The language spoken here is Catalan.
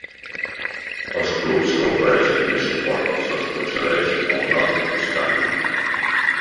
Als clubs que ofereixen més suport se'ls concedeix el North Stand.